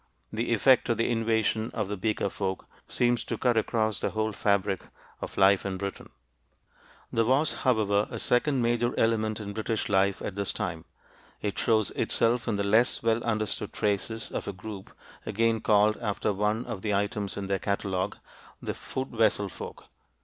The effect of the invasion of the Beaker folk seems to cut across the whole fabric of life in Britain. [Illustration: BEAKER] There was, however, a second major element in British life at this time. It shows itself in the less well understood traces of a group again called after one of the items in their catalogue, the Food vessel folk.